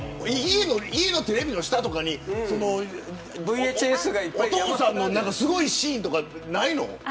家のテレビの下とかにお父さんのすごいシーンとかないの。